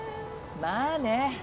まあね。